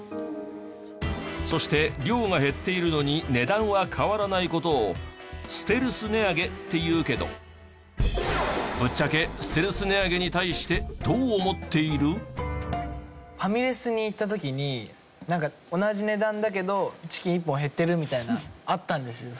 そして量が減っているのに値段は変わらない事をステルス値上げっていうけどぶっちゃけファミレスに行った時になんか同じ値段だけどチキン１本減ってるみたいなあったんですよ